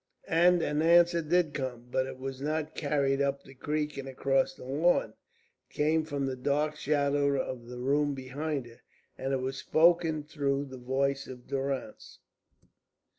And an answer did come, but it was not carried up the creek and across the lawn. It came from the dark shadows of the room behind her, and it was spoken through the voice of Durrance.